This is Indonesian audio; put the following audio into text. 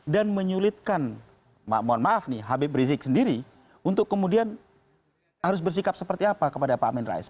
dan menyulitkan mohon maaf nih habib rizik sendiri untuk kemudian harus bersikap seperti apa kepada pak amin rais